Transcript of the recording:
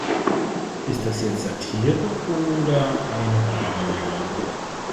Ist das jetzt Satire oder eine wahre Meldung?